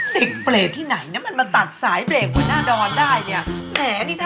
เด็กเปรกที่ไหนนะมันมาตัดสายเบรคหัวหน้าดอนได้เนี่ย